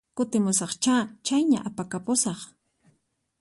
Kutimusaqchá, chayña apakapusaq